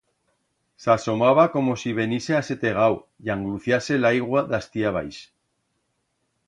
S'asomaba como si venise asetegau y angluciase l'aigua d'astí abaix.